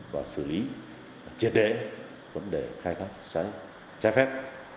và xử lý triệt đế vấn đề khai thác trái phép